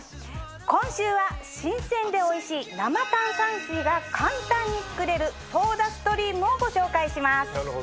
今週は新鮮でおいしい生炭酸水が簡単に作れるソーダストリームをご紹介します。